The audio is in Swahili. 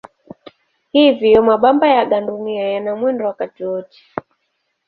Hivyo mabamba ya gandunia yana mwendo wakati wote.